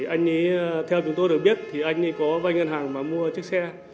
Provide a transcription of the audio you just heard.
anh ấy theo chúng tôi được biết thì anh ấy có vay ngân hàng mà mua chiếc xe